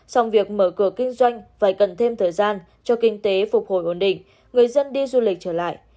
song việc mở cửa kinh doanh phải cần thêm thời gian cho kinh tế phục hồi ổn định người dân đi du lịch trở lại